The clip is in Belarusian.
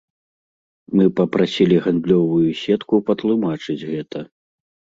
Мы папрасілі гандлёвую сетку патлумачыць гэта.